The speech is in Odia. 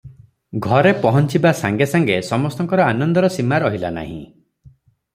ଘରେ ପହଞ୍ଚିବା ସାଙ୍ଗେ ସାଙ୍ଗେ ସମସ୍ତଙ୍କର ଆନନ୍ଦର ସୀମା ରହିଲା ନାହିଁ ।